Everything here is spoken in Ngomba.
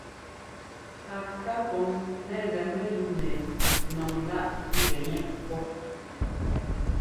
A ká kɔŋ nɛ gɛ mɛyúu mɛ nɔŋláꞌ pigɛnɛ pɔ́.